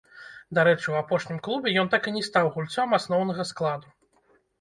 Дарэчы, у апошнім клубе ён так і не стаў гульцом асноўнага складу.